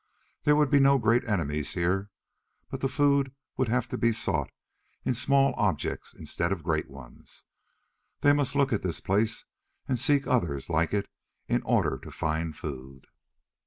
There would be no great enemies here, but the food would have to be sought in small objects instead of great ones. They must look at this place and seek others like it, in order to find food....